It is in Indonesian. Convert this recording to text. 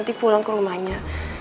nanti pulang ke rumahnya